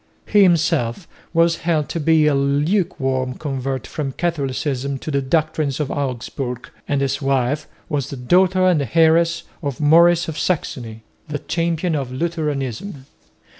He himself was held to be a lukewarm convert from Catholicism to the doctrines of Augsburg; and his wife was the daughter and heiress of Maurice of Saxony, the champion of Lutheranism.